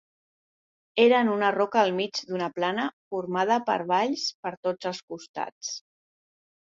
Era en una roca al mig d'una plana formada per valls per tots els costats.